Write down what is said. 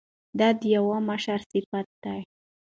دا د یو مشر صفت دی.